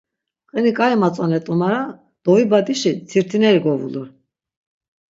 Qini k̆ai matzonet̆u mara dovibadişi tirtineri govulur.